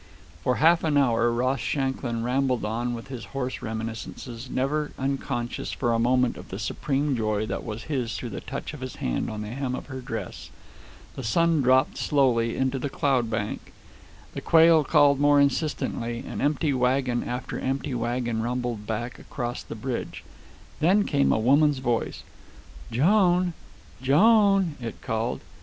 For half an hour Ross Shanklin rambled on with his horse reminiscences, never unconscious for a moment of the supreme joy that was his through the touch of his hand on the hem of her dress. The sun dropped slowly into the cloud bank, the quail called more insistently, and empty wagon after empty wagon rumbled back across the bridge. Then came a woman's voice. "Joan! Joan!" it called.